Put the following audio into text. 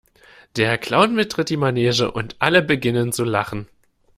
Der Clown betritt die Manege und alle beginnen zu Lachen.